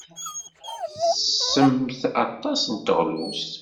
Tettessemt aṭas n teɣlust.